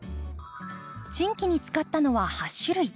チンキに使ったのは８種類。